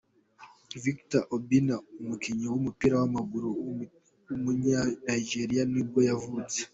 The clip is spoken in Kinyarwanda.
Victor Obinna, umukinnyi w’umupira w’amaguru w’umunya-Nigeriya nibwo yavutse.